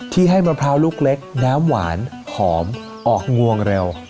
ให้มะพร้าวลูกเล็กน้ำหวานหอมออกงวงเร็ว